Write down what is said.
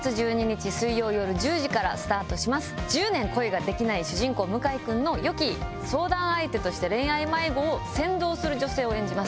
１０年恋ができない主人公向井君のよき相談相手として恋愛迷子を先導する女性を演じます。